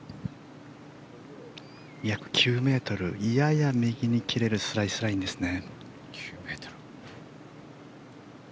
約９ｍ、やや右に切れるスライスラインですね。